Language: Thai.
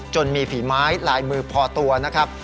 มีฝีไม้ลายมือพอตัวนะครับ